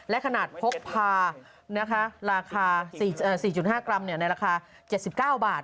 และขนาดพกพาราคา๔๕กรัมในราคา๗๙บาท